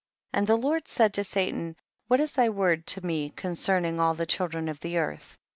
48. And the Lord said to Satan, what is thy word to me concerning all the children of the earth